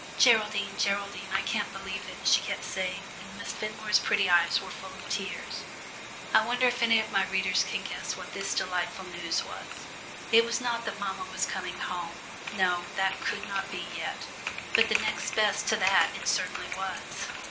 "Geraldine, Geraldine, I can't believe it," she kept saying, and Miss Fenmore's pretty eyes were full of tears. I wonder if any of my readers can guess what this delightful news was? It was not that mamma was coming home no, that could not be yet. But next best to that it certainly was.